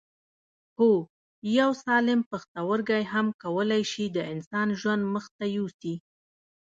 هو یو سالم پښتورګی هم کولای شي د انسان ژوند مخ ته یوسي